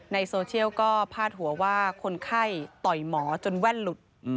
ในโซเชียลก็พาดหัวว่าคนไข้ต่อยหมอจนแว่นหลุด